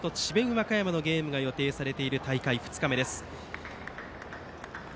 和歌山のゲームが予定されている大会２日目です。